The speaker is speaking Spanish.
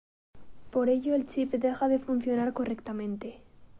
Por ello, el chip deja de funcionar correctamente.